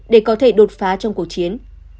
để có thể đột phá trong cuộc chiến